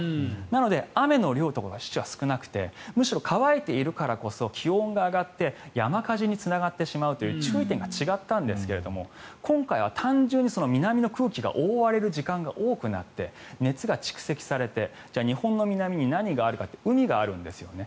なので雨の量としては少なくてむしろ乾いているからこそ気温が上がって山火事につながってしまうという注意点が違ったんですが今回は単純に南の空気が覆われる時間が多くなって熱が蓄積されて日本の南に何があるかって海があるんですよね。